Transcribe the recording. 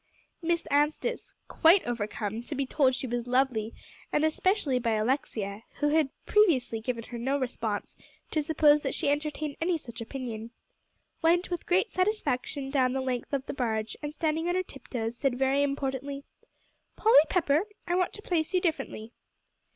Miss Anstice, quite overcome to be told she was lovely, and especially by Alexia, who had previously given her no reason to suppose that she entertained any such opinion, went with great satisfaction down the length of the barge, and standing on her tiptoes, said very importantly, "Polly Pepper, I want to place you differently."